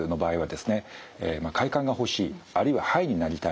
快感が欲しいあるいはハイになりたい